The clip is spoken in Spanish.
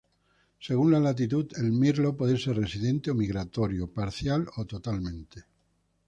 Según la latitud, el mirlo puede ser residente o migratorio, parcial o totalmente.